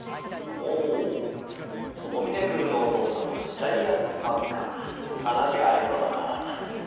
お小峰君のお父さんはジャイアンツファンか話が合いそうだなハハ！